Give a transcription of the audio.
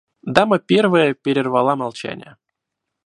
Дама первая перервала молчание.